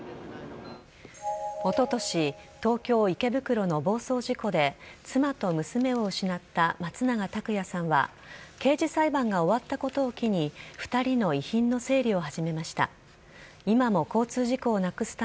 おととし、東京・池袋の暴走事故で、妻と娘を失った松永拓也さんは、刑事裁判が終わったことを機に、２人の遺品の整理を始めました。